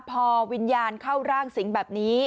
พอวิญญาณเข้าร่างสิงห์แบบนี้